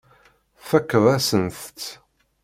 Tfakkeḍ-asent-tt.